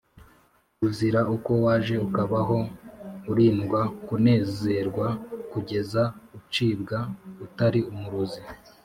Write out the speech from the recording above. uzira uko waje ukabaho urindwa kunezerwa kugeza ucibwa utari umurozi